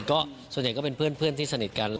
ก็ส่วนใหญ่ก็เป็นเพื่อนที่สนิทกัน